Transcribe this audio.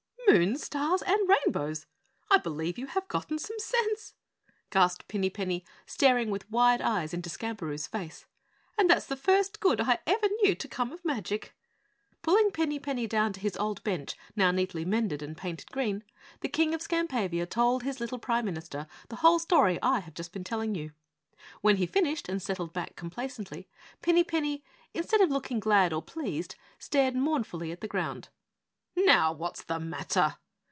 "Moons, stars, and rainbows! I believe you have gotten some sense," gasped Pinny Penny, staring with wide eyes into Skamperoo's face. "And that's the first good I ever knew to come of magic." Pulling Pinny Penny down to his old bench, now neatly mended and painted green, the King of Skampavia told his little Prime Minister the whole story I have just been telling you. When he finished and settled back complacently, Pinny Penny instead of looking glad or pleased stared mournfully at the ground. "Now what's the matter?"